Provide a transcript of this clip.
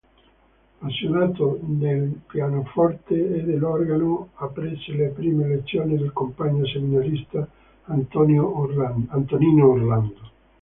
Appassionato del pianoforte e dell’organo, apprese le prime lezioni dal compagno seminarista Antonino Orlando.